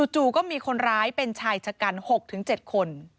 จู่ก็มีคนร้ายเป็นชายชะกัน๖๗คน